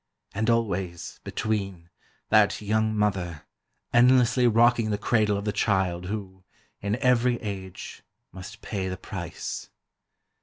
And always, between, that young mother, endlessly rocking the cradle of the child who, in every age, must pay the price.